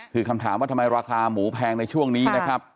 คือคำถามว่าทำไมราคาหมูแพงในช่วงนี้นะครับ